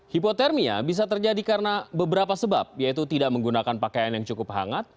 hipotermia bisa terjadi karena beberapa sebab yaitu tidak menggunakan pakaian yang cukup hangat